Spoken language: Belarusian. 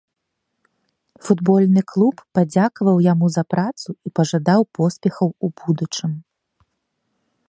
Футбольны клуб падзякаваў яму за працу і пажадаў поспехаў у будучым.